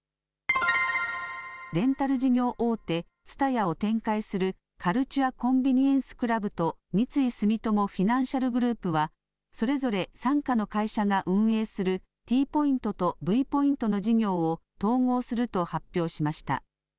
レンタル事業大手、ＴＳＵＴＡＹＡを展開するカルチュア・コンビニエンス・クラブと三井住友フィナンシャルグループはそれぞれ傘下の会社が運営するＴポイントとＶポイントの事業を統合すると発表しました。